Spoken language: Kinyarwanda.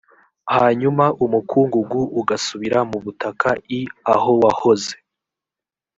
hanyuma umukungugu ugasubira mu butaka i aho wahoze